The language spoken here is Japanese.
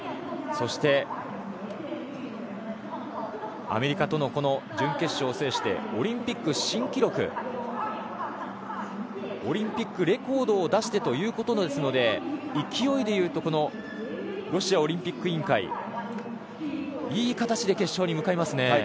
そしてアメリカとの準決勝を制してオリンピックレコードを出してということですので勢いでいうとロシアオリンピック委員会はいい形で決勝に向かいますね。